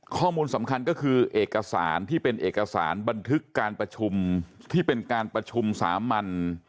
ข้อมูลสำคัญก็คือเอกสารที่เป็นเอกสารบันทึกการประชุมที่เป็นการประชุมสามัญ